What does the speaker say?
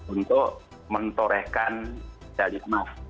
untuk mentorehkan dari emas